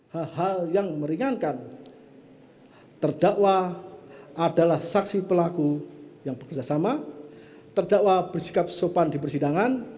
hal hal yang meringankan terdakwa adalah saksi pelaku yang bekerjasama terdakwa bersikap sopan di persidangan